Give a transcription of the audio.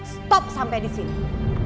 stop sampai disini